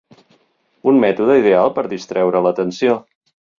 Un mètode ideal per distreure l'atenció.